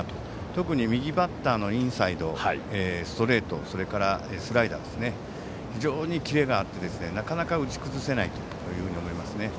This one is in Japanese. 特に右バッターのインサイドストレート、スライダーが非常にキレがあってなかなか打ち崩せないと思います。